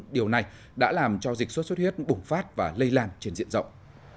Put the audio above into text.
điều này đã làm cho dịch sốt xuất huyết bùng phát và lây lan trên diện rộng